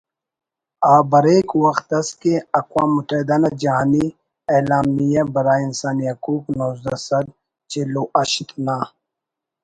آ بریک وخت اس کہ اقوام متحدہ نا جہانی اعلامیہ برائے انسانی حقوق نوزدہ سد چل و ہشت نا